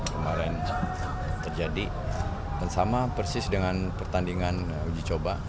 kemarin terjadi dan sama persis dengan pertandingan uji coba